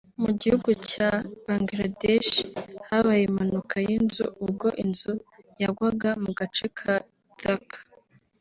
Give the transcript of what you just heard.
Mu gihugu cya Bangladesh habaye impanuka y’inzu ubwo inzu yagwaga mu gace ka Dhaka